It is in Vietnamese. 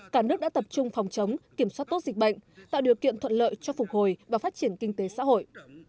cả nước đã tập trung phòng chống kiểm soát tốt dịch bệnh tạo điều kiện thuận lợi cho phục hồi và phát triển kinh tế xã hội